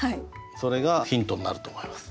それがヒントになると思います。